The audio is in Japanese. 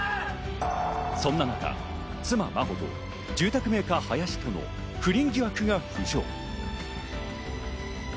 そんな中、妻・真帆と住宅メーカー・林との不倫疑惑が浮上。